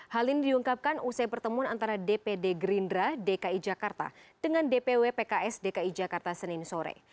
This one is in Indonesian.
hal ini diungkapkan usai pertemuan antara dpd gerindra dki jakarta dengan dpw pks dki jakarta senin sore